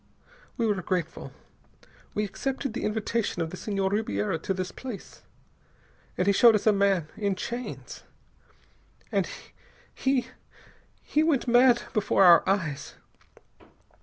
We were grateful. We accepted the invitation of the Senhor Ribiera to this place. And he showed us a man, in chains. He he went mad before our eyes.